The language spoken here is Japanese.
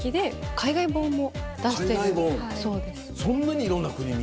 海外本そんなにいろんな国に。